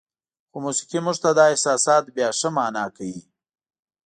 خو موسیقي موږ ته دا احساسات بیا ښه معنا کوي.